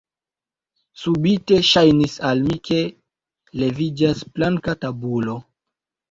Subite ŝajnis al li, ke leviĝas planka tabulo.